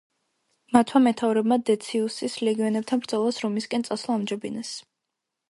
მათმა მეთაურებმა დეციუსის ლეგიონებთან ბრძოლას რომისკენ წასვლა ამჯობინეს.